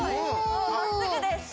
真っすぐです。